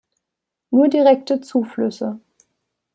Nur direkte Zuflüsse.